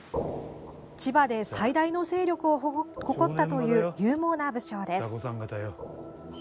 千葉で最大の勢力を誇ったという、勇猛な武将です。